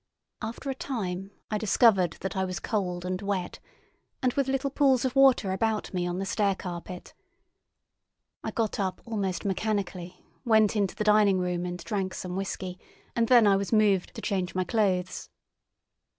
After a time I discovered that I was cold and wet, and with little pools of water about me on the stair carpet. I got up almost mechanically, went into the dining room and drank some whisky, and then I was moved to change my clothes.